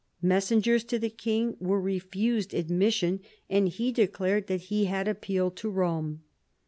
Messengers to the king were refused admission, and he declared that he had appealed to Eome.